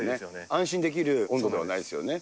安心できる温度ではないですよね。